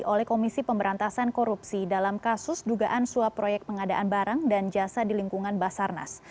oleh komisi pemberantasan korupsi dalam kasus dugaan suap proyek pengadaan barang dan jasa di lingkungan basarnas